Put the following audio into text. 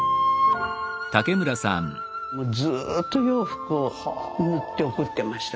もうずっと洋服を縫って送ってました。